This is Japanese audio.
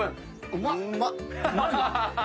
うまっ！